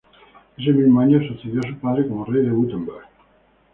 Ese mismo año sucedió a su padre como rey de Wurtemberg.